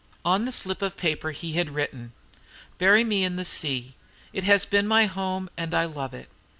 "On this slip of paper he had written: "'Bury me in the sea; it has been my home, and I love it.